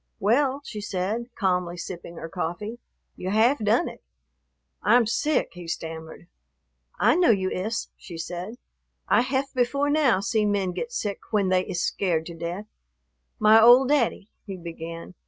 "Well," she said, calmly sipping her coffee, "you haf done it." "I'm sick," he stammered. "I know you iss," she said, "I haf before now seen men get sick when they iss scared to death." "My old daddy " he began.